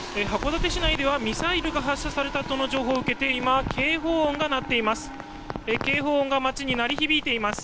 函館市内ではミサイルが発射されたとの情報を受けて今、警報音が鳴っています。